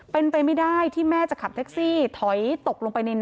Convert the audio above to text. เป็นไปไม่ได้ที่แม่กลับขับแท็กซี่